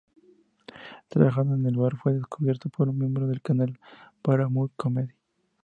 Trabajando en el bar fue descubierto por un miembro del canal Paramount Comedy.